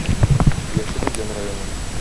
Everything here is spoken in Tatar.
Яшел Үзән районы.